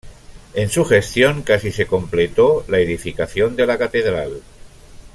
En su gestión casi se completó la edificación de la Catedral.